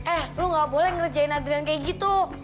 eh lu gak boleh ngerjain adrian kayak gitu